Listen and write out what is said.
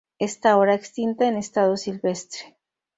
Está ahora extinta en estado silvestre.